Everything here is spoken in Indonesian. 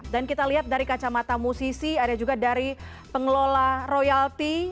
dan kita lihat dari kacamata musisi ada juga dari pengelola royalti